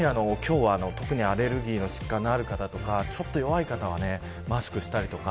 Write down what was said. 今日は特にアレルギーの疾患がある方とか弱い方はマスクをしたりとか。